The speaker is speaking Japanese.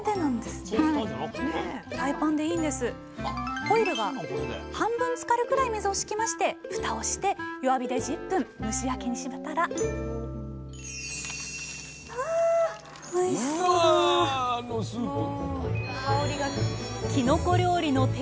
ホイルが半分つかるくらい水を敷きましてふたをして弱火で１０分蒸し焼きにしましたらきのこ料理の定番！